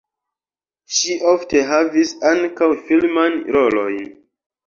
Ŝi ofte havis ankaŭ filmajn rolojn.